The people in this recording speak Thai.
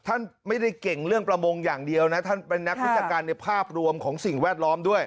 ท่านไม่ได้เก่งเรื่องประมงอย่างเดียวนะท่านเป็นนักวิชาการในภาพรวมของสิ่งแวดล้อมด้วย